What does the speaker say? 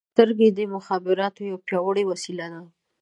• سترګې د مخابراتو یوه پیاوړې وسیله ده.